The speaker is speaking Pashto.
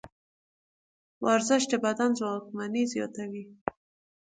ورزش د بدن ځواکمني زیاتوي.